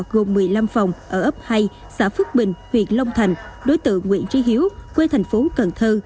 gồm một mươi năm phòng ở ấp hai xã phước bình huyện long thành đối tượng nguyễn trí hiếu quê thành phố cần thơ